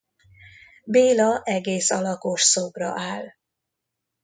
Béla egész alakos szobra áll.